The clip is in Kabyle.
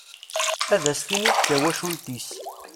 Ad as-tiniḍ d tawacult-is.